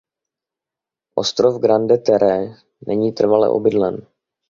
Ostrov Grande Terre není trvale obydlen.